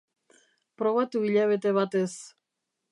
Probatu hilabete batez.